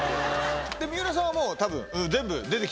三浦さんはもう多分。